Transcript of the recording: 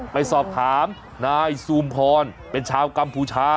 ไปสอบถามนายซูมพรเป็นชาวกัมพูชา